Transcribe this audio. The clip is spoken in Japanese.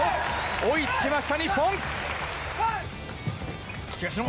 追いつきました、日本。